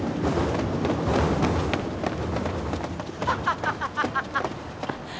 ハハハハ